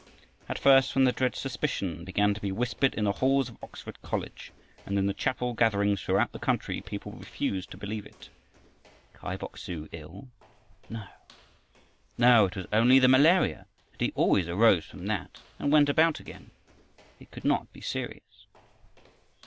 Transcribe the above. At first, when the dread suspicion began to be whispered in the halls of Oxford College and in the chapel gatherings throughout the country, people refused to believe it. Kai Bok su ill? No, no, it was only the malaria, and he always arose from that and went about again. It could not be serious.